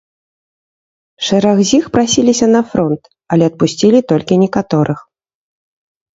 Шэраг з іх прасіліся на фронт, але адпусцілі толькі некаторых.